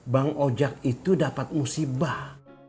bang ojak itu dapat musibah